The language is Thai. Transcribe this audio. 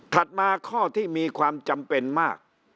มาข้อที่มีความจำเป็นมาก